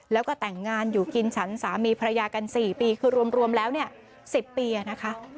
แล้วก็แต่งงานอยู่กินฉันสามีภรรยากัน๔ปีคือรวมแล้ว๑๐ปีนะคะ